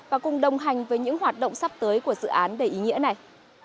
và cùng đồng hành với những hoạt động sắp tới của dự án đầy ý nghĩa này